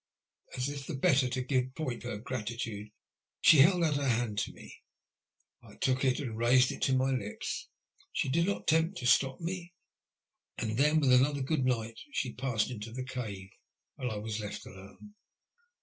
As if the better to give point to her gratitude, she held out her hand to me. I took it and raised it to my lips. 8he did not attempt to stop me, and then, with another ''good night," she passed into the cave, and I was left alone.